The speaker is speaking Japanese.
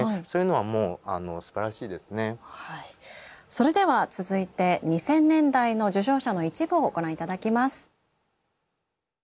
それでは続いて２０００年代の受賞者の一部をご覧頂きます。